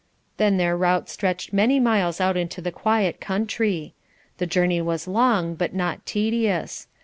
Then their route stretched many miles out into the quiet country. The journey was long, but not tedious.